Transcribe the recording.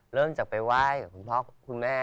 เริ่มจากไปไหว้กับคุณพ่อคุณแม่